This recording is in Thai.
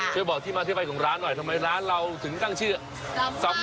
แล้วตอนนี้เป็นยังไงค้าขายรุ่งเรือมาก